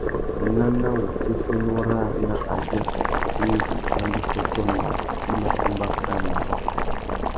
Nana wu séssénô râā nà agüê indi a ndú sôtô naā i mà tumba kā marru.